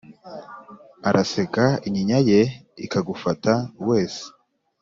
araseka inyinya ye ikagufata wese